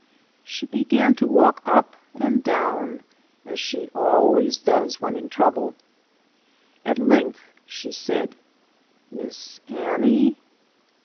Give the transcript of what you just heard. She began to walk up and down, as she always does whe'n in trouble. At length she said, "Miss Annie?"